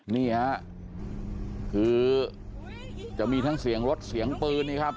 นี่ฮะคือจะมีทั้งเสียงรถเสียงปืนนี่ครับ